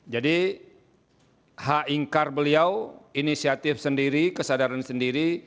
jadi hak ingkar beliau inisiatif sendiri kesadaran sendiri